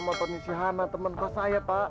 motornya si hana temenku saya pak